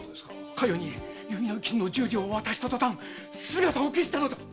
佳代に結納金の十両を渡したとたん姿を消したのだ！